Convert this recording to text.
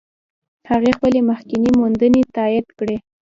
هغې خپلې مخکینۍ موندنې تایید کړې.